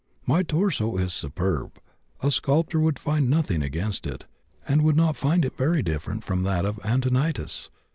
My torso is superb; a sculptor could find nothing against it, and would not find it very different from that of Antinotis.